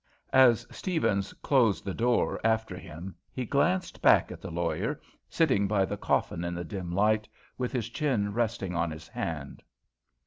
As Steavens closed the door after him he glanced back at the lawyer, sitting by the coffin in the dim light, with his chin resting on his hand.